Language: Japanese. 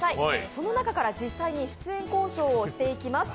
その中から実際に出演交渉をしていきます。